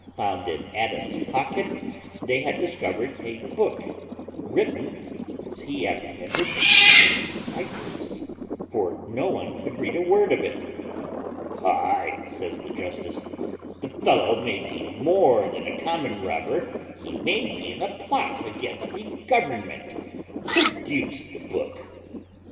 found in Adams's pocket, they had discovered a book written, as he apprehended, in cyphers; for no one could read a word in it. "Ay," says the justice, "the fellow may be more than a common robber, he may be in a plot against the Government. Produce the book."